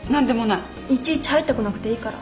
いちいち入ってこなくていいから。